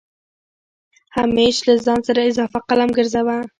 همېش له ځان سره اضافه قلم ګرځوه